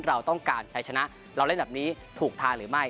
เราต้องการใช้ชนะเราเล่นแบบนี้ถูกทางหรือไม่